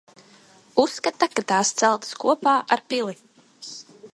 Uzskata, ka tās celtas kopā ar pili.